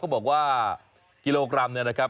บอกว่ากิโลกรัมเนี่ยนะครับ